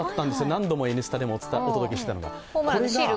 何度も「Ｎスタ」でもお届けしていたのが。